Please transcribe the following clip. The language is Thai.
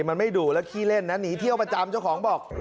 มันไม่ดุแล้วขี้เล่นนะหนีเที่ยวประจำเจ้าของบอก